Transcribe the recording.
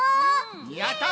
やった！